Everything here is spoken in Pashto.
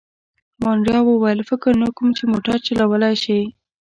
مانیرا وویل: فکر نه کوم، چي موټر چلولای شي.